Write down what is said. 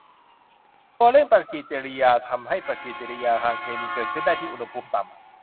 ตัวเร่งปฏิกิริยาทำให้ปฏิกิริยาทางเคมีเกิดขึ้นได้ที่อุณหภูมิต่ำ